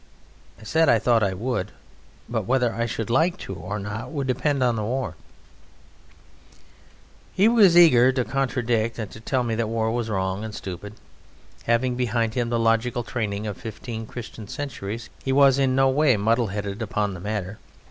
I said I thought I would; but whether I should like to or not would depend upon the war. He was eager to contradict and to tell me that war was wrong and stupid. Having behind him the logical training of fifteen Christian centuries he was in no way muddle headed upon the matter.